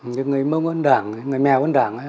những người mong ấn đảng người mèo ấn đảng ấy